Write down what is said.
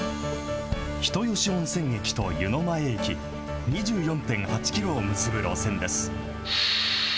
人吉温泉駅と湯前駅、２４．８キロを結ぶ路線です。